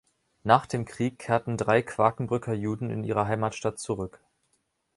Nach dem Krieg kehrten drei Quakenbrücker Juden in ihre Heimatstadt zurück.